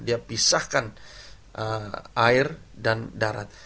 dia pisahkan air dan darat